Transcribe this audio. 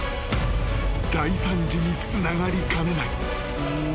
［大惨事につながりかねない］